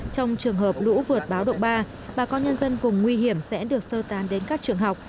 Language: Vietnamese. trong trường hợp lũ vượt báo động ba bà con nhân dân vùng nguy hiểm sẽ được sơ tán đến các trường học